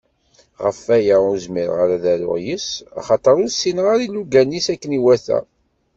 Γef waya ur zmireɣ ara ad aruɣ yis-s, axater ur ssineɣ ara ilugan-is akken iwata.